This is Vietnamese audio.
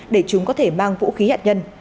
để chúng có thể mang vũ khí hạt nhân